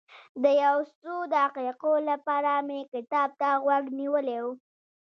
د یو څو دقیقو لپاره مې کتاب ته غوږ نیولی و.